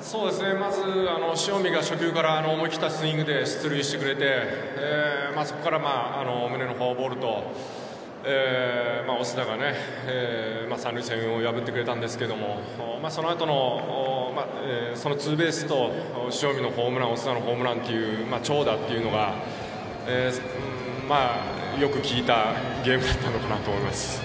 そうですね塩見が初球から思い切ったスイングで出塁してくれてそこからムネのフォアボールとオスナが三塁線を破ってくれたんですがそのツーベースと塩見のホームランオスナのホームランという長打というのがよく効いたゲームだったのかなと思います。